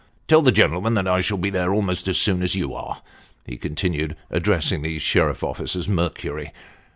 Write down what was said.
Tell the gentleman that I shall be there almost as soon as you are," he continued, addressing the sheriff officer's Mercury.